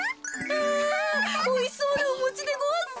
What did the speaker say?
あおいしそうなおもちでごわす。